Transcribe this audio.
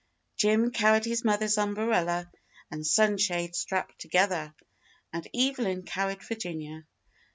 Jim carried his mother's umbrella and sun shade strapped together, and Evelyn carried Virginia.